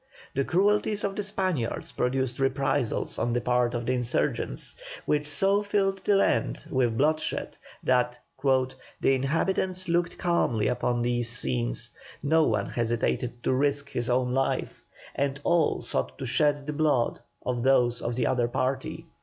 The cruelties of the Spaniards produced reprisals on the part of the insurgents, which so filled the land with bloodshed that "the inhabitants looked calmly upon these scenes; no one hesitated to risk his own life, and all sought to shed the blood of those of the other party."